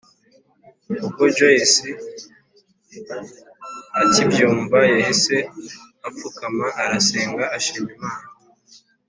ubwo joyce akibyumva yahise apfukama arasenga ashima imana